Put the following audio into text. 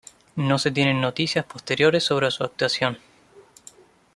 No se tienen noticias posteriores sobre su actuación.